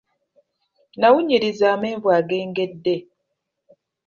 Nawunyiriza amenvu ag'engedde.